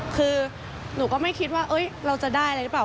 คือหนูก็ไม่คิดว่าเราจะได้อะไรหรือเปล่า